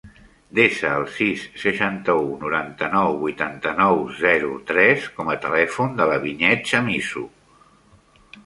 Desa el sis, seixanta-u, noranta-nou, vuitanta-nou, zero, tres com a telèfon de la Vinyet Chamizo.